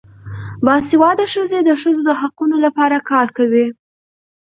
باسواده ښځې د ښځو د حقونو لپاره کار کوي.